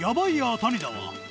谷田は